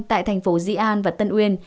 tại thành phố di an và tân uyên